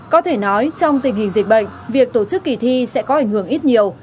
có thể nói trong tình hình dịch bệnh việc tổ chức kỳ thi sẽ có ảnh hưởng ít nhiều